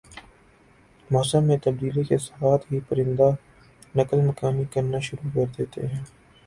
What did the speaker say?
موسم میں تبدیلی کا ساتھ ہی پرندہ نقل مکانی کرنا شروع کرنا ہون